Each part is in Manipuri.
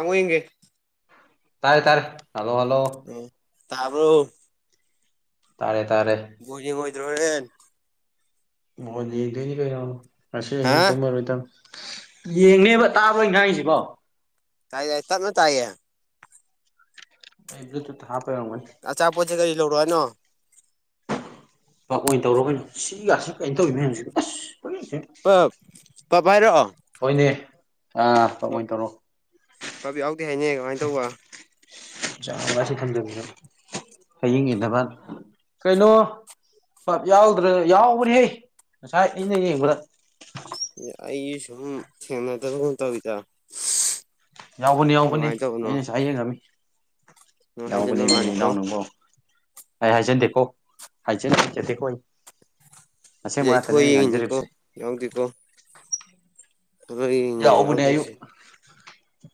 ꯑꯃꯉ ꯍꯦ ꯇꯥꯏ ꯇꯥꯏ ꯍꯜꯂꯣ ꯍꯂꯣ ꯇꯕ ꯇꯥꯔꯦ ꯇꯥꯔꯦ ꯖꯤꯉꯣꯏꯗ꯭ꯔꯣ ꯔꯦꯟ ꯃ ꯌꯦꯡꯗꯣꯏꯅꯤ ꯀꯁ ꯍ ꯍꯥ ꯇꯝꯕꯔꯣꯣꯏꯪ ꯌꯦꯡꯅꯦꯕ ꯇꯥꯕꯣꯏ ꯉꯥꯡꯁꯤꯀꯣ ꯀꯥꯏ ꯑꯛꯇꯅ ꯇꯥꯏꯌꯦ ꯆ ꯍꯥꯞ [unintelligible] [inaudible] ꯑꯆꯥꯄꯣꯠꯁꯦ ꯀꯔꯤ ꯂꯧꯔꯣ ꯍꯥꯏꯅꯣ ꯄ ꯑꯣꯏꯅ ꯇꯧꯔꯅꯣ ꯁꯤꯒꯁꯤ ꯀꯩꯅꯣ ꯇꯧꯋꯤ ꯃꯌꯥꯝꯁꯤ ꯑꯁ ꯄꯞ ꯄꯞ ꯍꯥꯏꯔꯛꯑꯣ ꯍꯣꯏꯅꯦ ꯑꯥ ꯀꯃꯅ ꯇꯧꯔꯣ ꯄꯥꯕ ꯌꯥꯎꯗꯤꯦ ꯍꯥꯏꯅꯦ ꯀꯃꯥꯏꯅ ꯇꯧꯕ ꯁꯨ ꯊꯝꯖꯕ ꯍꯌꯦꯡ ꯏꯗꯚꯜ ꯀꯩꯅꯣ ꯄꯞ ꯌꯥꯎꯗ꯭ꯔꯦ ꯌꯥꯎꯕ꯭ꯔꯍꯦ ꯉꯁꯥꯏ ꯑꯩꯅ ꯌꯦꯡꯕ꯭ꯔꯥ ꯑꯩ ꯁꯨꯝ ꯁꯦꯅꯗꯕꯒꯨꯝ ꯇꯧꯋꯤꯗ ꯌꯥꯎꯕꯅꯤ ꯌꯥꯎꯕꯅꯦ ꯀꯃꯥꯏꯅ ꯇꯧꯕꯅꯣ ꯑꯩꯅꯁꯨ ꯍꯌꯦꯡ ꯉꯃꯤ ꯅꯪ ꯌꯥꯎꯕꯅꯦ ꯍꯥꯏꯖꯟꯕ ꯃꯤ ꯃꯥꯜꯂꯤꯀꯣ ꯏꯅꯥꯎꯅꯀꯣ ꯑꯩ ꯍꯥꯏꯖꯟꯈꯣ ꯍꯥꯏꯖ ꯍꯥꯏꯣ ꯃꯁꯦꯡ ꯁꯤꯗ ꯃ ꯑꯩ ꯉꯥꯛꯇꯅꯦ ꯊꯣꯛꯑ ꯑꯩꯅ ꯌꯦꯡꯉꯤꯅꯤꯀꯣ ꯉꯥꯡꯖꯔꯤꯕꯁꯦ ꯑ ꯌꯥ ꯌꯥꯎꯕꯅꯦ ꯑꯌꯨꯛ ꯀꯩꯁ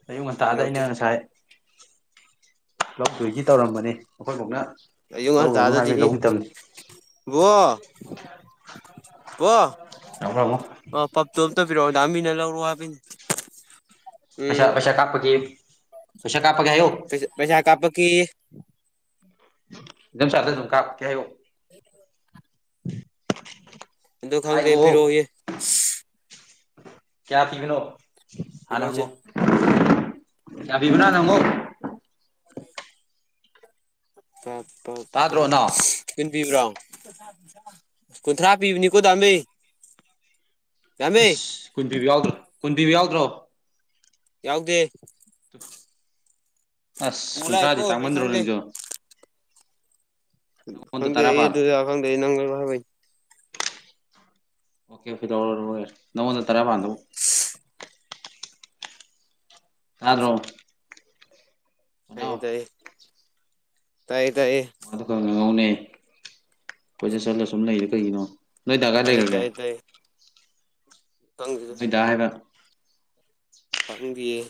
ꯑꯌꯨꯛ ꯉꯟꯇꯥꯗ ꯑꯩꯅ ꯉꯁꯥꯏ ꯄꯨꯞ ꯇꯣꯏꯒꯤ ꯇꯧꯔꯝꯕꯅꯤ ꯑꯩꯈꯣꯏ ꯐꯥꯎꯅ ꯑ ꯉꯁ ꯊꯗꯗꯤ ꯕꯣ [inaudible] ꯀꯣ ꯑꯕ [unintelligible] [inaudible] ꯄꯣꯗꯥꯝꯕꯤ ꯅ ꯂꯧꯔꯑꯣ ꯍꯥꯤ ꯄꯩꯁꯥ ꯄꯩꯁꯥ ꯀꯥꯄꯀꯤ ꯇꯁ ꯀꯥꯄꯒꯦꯌꯣ ꯀꯦ ꯆꯗ ꯊ ꯀꯥ ꯀꯌꯥ [unintelligible] [inaudible] [unintelligible] [inaudible] ꯀꯗꯣ ꯈꯪꯗꯦ ꯐꯔꯣ ꯍꯥꯏꯈꯣ ꯌꯦ ꯀꯌꯥ ꯄꯤꯒꯅꯣ ꯍꯥꯟꯅ ꯄꯤꯔꯛꯑꯣꯁꯦ ꯍꯪꯉꯣ ꯌꯥꯕꯤꯕꯅ ꯍꯪꯉꯣ ꯇꯠ ꯄꯞꯞ ꯇꯥꯗ꯭ꯔꯣ ꯅꯥꯎ ꯀꯟꯕꯤꯕ꯭ꯔꯣ ꯀꯨꯟꯊ꯭ꯔꯥ ꯄꯤꯕꯅꯤꯀꯣ ꯇꯝꯕꯩ ꯏꯁꯁ ꯀꯨꯟꯗꯤ꯭ꯕ ꯌꯥꯎꯗ꯭ꯔꯣ ꯀꯨꯟꯗ꯭ꯕ ꯌꯥꯎꯗ꯭ꯔꯣ ꯌꯥꯎꯗꯦ ꯑꯁ ꯄꯨ ꯀꯨꯟꯊ꯭ꯔꯥꯗꯤ ꯂꯥꯛꯑꯦꯀꯣ ꯑꯩ ꯇꯥꯡꯃꯟꯗ꯭ꯔꯣ ꯈꯪꯗꯦ ꯅꯪꯁꯨ ꯅꯪꯉꯣꯟꯗ ꯈꯡꯗꯦ ꯇꯔꯥ ꯄꯥꯜꯂꯣ ꯑꯗꯨ ꯈꯡꯗꯦ ꯅꯪ ꯑꯣꯀꯦ ꯐ ꯅꯣꯗ ꯇꯔꯦꯕꯗ ꯇꯥꯗꯔ꯭ꯤ ꯍ ꯇꯥꯏ ꯃꯥꯗꯣ ꯈꯔ ꯉꯍꯧꯅꯦ ꯑꯩꯣꯏꯗꯠ ꯆꯠꯂ ꯁꯨꯝ ꯂꯩꯔ ꯀꯩꯒꯤꯅꯣ ꯅꯣꯏ ꯇꯒ ꯇꯥꯏꯌꯦ ꯂꯩꯈꯒꯦ ꯇꯥꯏꯌꯦ ꯇꯥꯏꯌꯦ ꯈꯪꯗꯦꯗ ꯅꯣꯏꯗ ꯍꯥꯏꯕ ꯈꯪꯗꯦꯌꯦ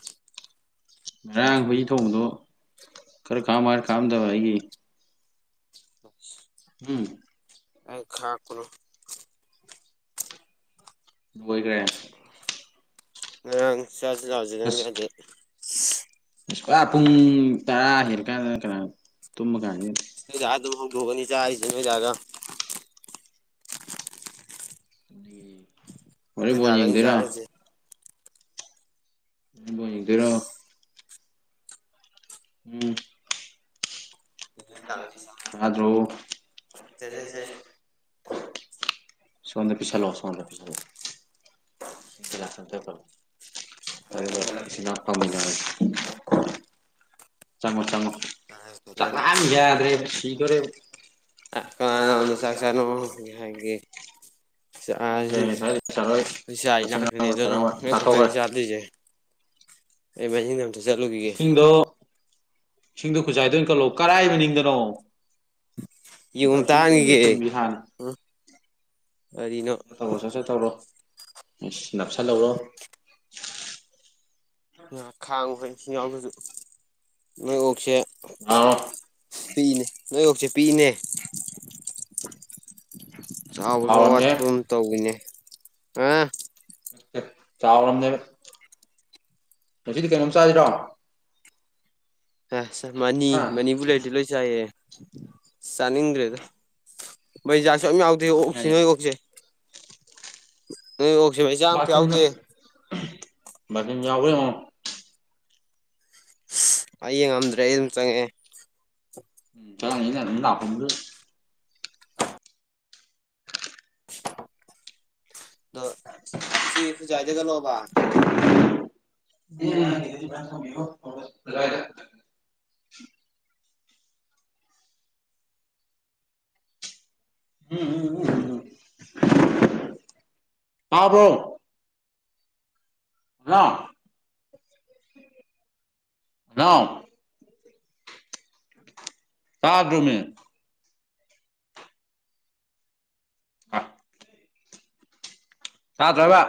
ꯉꯔꯥꯡ ꯑꯩꯏꯒꯤ ꯊꯣꯡꯗꯣ ꯈꯔ ꯀꯥꯝ ꯍꯥꯏꯔ ꯀꯥꯝꯗꯕ ꯑꯩꯒꯤ ꯑꯣ [unintelligible] [inaudible] ꯎꯝ ꯑ ꯈꯥ ꯀꯂ ꯂꯣꯏꯒꯔꯦ ꯉꯔꯥꯡ ꯆꯁꯨ ꯆꯥꯎꯁꯤ ꯅꯪ ꯌꯥꯗꯦ ꯑ ꯄꯨꯡ ꯇꯔꯥ ꯍꯦꯜꯂ ꯀꯥꯟꯗꯅ ꯀꯅꯥ ꯇꯨꯝꯕ ꯀꯥꯟꯗ ꯌꯥꯕꯅꯤ ꯆꯥ ꯌꯥꯒ ꯃꯣꯔꯦ ꯐꯅꯤ ꯅꯣꯏꯗꯥꯒꯅꯤ ꯌꯦꯡꯗꯦꯔꯥ ꯆꯥꯔꯤꯁꯦ ꯌꯀꯔ ꯎꯝ ꯌꯥꯗ꯭ꯔꯣ ꯁꯦꯁꯦ ꯁꯣꯗ ꯄꯁꯂꯣ ꯁꯗ ꯄꯁꯜꯣ [unintelligible] [unintelligible] [unintelligible] [unintelligible] [inaudible] ꯆꯪꯉꯣ ꯆꯪꯉꯣ ꯁꯦ ꯆꯥꯛꯉ ꯌꯥꯗ꯭ꯔꯦ ꯁꯤꯗꯣꯔꯦ ꯁꯥꯁꯥꯅꯣ ꯍꯦ ꯅꯦ ꯁꯅꯤ ꯑꯗꯨꯛꯇꯅꯤ ꯆꯥꯊꯣꯛꯈ꯭ꯔꯦ ꯆꯥꯂꯤꯁꯦ ꯑꯦꯃꯤꯡ ꯅꯝꯁꯨ ꯆꯠꯂꯨꯒꯤꯒ ꯁꯤꯡꯗꯣ ꯈꯨꯖꯥꯏꯗ ꯑꯣꯏꯅ ꯀꯜꯂꯣ ꯀꯔꯥꯏ ꯃ ꯅꯤꯡꯗꯅꯣ ꯁꯤ ꯌꯨꯝ ꯑꯝꯇ ꯄꯞꯁꯤ ꯆꯁꯨ ꯍꯥꯟꯈꯤꯒꯦ ꯇꯨꯝ ꯕꯤꯍꯥꯟ ꯀꯔꯤꯅꯣ ꯇꯧꯔꯣ ꯆ ꯁ ꯇꯧꯔꯣ ꯎ ꯅꯞꯁꯥ ꯂꯧꯔꯣ ꯈꯥꯡꯉꯨ ꯍꯣꯏ ꯌꯥꯎꯗꯁꯨ ꯅꯣꯏ ꯑꯣꯛꯁꯦ ꯑ ꯄꯤꯛꯏꯅꯦ ꯅꯣꯏ ꯌꯣꯛꯁꯦ ꯄꯤꯛꯏꯅꯦ ꯆꯥꯎꯕꯕ ꯆꯥꯎꯔꯝꯅꯦ ꯑꯋꯥꯠꯄ ꯑꯃ ꯇꯧꯕꯅꯦ ꯑ ꯆꯕꯔꯝꯗꯕ ꯉꯁꯤꯗꯤ ꯀꯩꯅꯣꯝ ꯆꯥꯗꯔꯣ ꯑ ꯃꯅꯤ ꯃꯅꯤ ꯕꯨꯂꯦꯠꯠꯇꯤ ꯂꯣꯏ ꯆꯥꯏꯌꯦꯦ ꯆꯅꯤꯡꯗ꯭ꯔꯦ ꯑꯗꯨꯩ ꯌꯥꯗꯤ ꯃꯅꯤ ꯑꯣꯁꯤ ꯍꯥꯏꯁꯦ ꯅꯣꯏ ꯑꯣꯈꯁꯦ ꯅꯣꯏ ꯑꯣꯛꯁꯤꯕꯩꯆꯥ ꯑꯝꯇ ꯌꯥꯎꯗꯦ ꯌꯥꯕꯣꯏ ꯑ ꯑꯩ ꯌꯦꯡ ꯉꯝꯗ꯭ꯔꯦ ꯑꯩ ꯑꯗꯨꯝ ꯆꯪꯉꯑꯦ ꯎꯝ ꯆꯗꯥ ꯑ ꯑꯗꯣ [inaudible] ꯏꯁꯤꯡ ꯈꯨꯖꯏꯗꯦꯒꯂꯣꯕ [unintelligible] [unintelligible] [unintelligible] ꯎꯝ ꯎꯝ ꯎꯝ ꯑꯕꯣ ꯔꯥꯎ ꯔꯥꯎ ꯁꯥꯗꯔꯃꯦ ꯑ ꯁꯥ ꯇ꯭ꯔꯕ